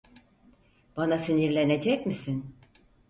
Bana sinirlenecek misin?